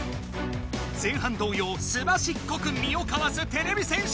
前半どうようすばしっこく身をかわすてれび戦士！